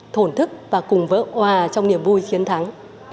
thổn thức và cùng vỡ hòa trong niềm vui chiến thắng